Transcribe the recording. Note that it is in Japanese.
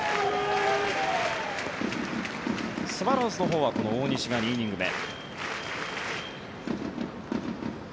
スワローズのほうは大西が２イニング目。